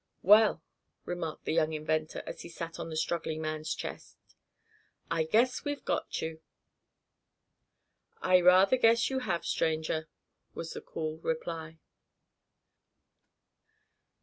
"Well," remarked the young inventor, as he sat on the struggling man's chest. "I guess we've got you." "I rather guess you have, stranger," was the cool reply.